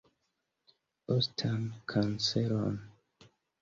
Ostan kanceron.